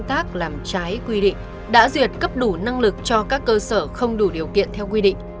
công tác làm trái quy định đã duyệt cấp đủ năng lực cho các cơ sở không đủ điều kiện theo quy định